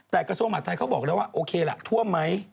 แต่กระทรวงมหาดไทยเขาบอกแล้วว่าโอเคล่ะท่วมไหม